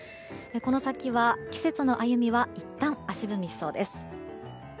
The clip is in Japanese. この先は季節の歩みはいったん足踏みしそうです。